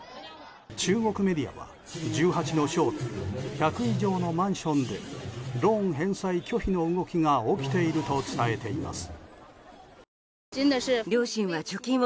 中国メディアは１８の省で１００以上のマンションでローン返済拒否の動きが起きていると伝えています。